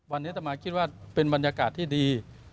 วันนี้ต่อมาคิดว่าเป็นบรรยากาศที่ดี